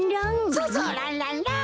そうそうランランラン！